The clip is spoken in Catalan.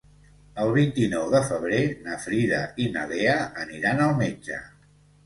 El vint-i-nou de febrer na Frida i na Lea aniran al metge.